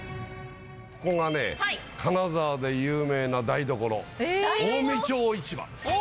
ここが金沢で有名な台所近江町市場。